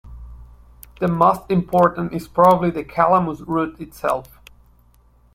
The most important is probably the Calamus root itself.